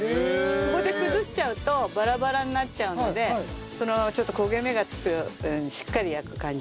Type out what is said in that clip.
これで崩しちゃうとバラバラになっちゃうのでそのまま焦げ目がつくようにしっかり焼く感じで。